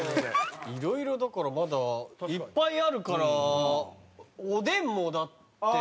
色々だからまだいっぱいあるからおでんもだって。